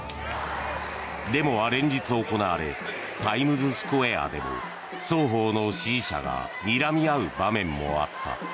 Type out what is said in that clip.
デモは連日行われタイムズスクエアでも双方の支持者がにらみ合う場面もあった。